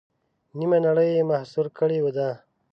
نیمه نړۍ یې مسحور کړې ده.